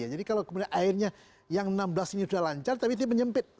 jadi kalau kemudian akhirnya yang enam belas ini sudah lancar tapi itu menyempit